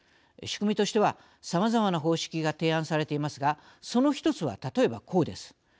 仕組みとしては、さまざまな方式が提案されていますがその一つは、例えば、こうです。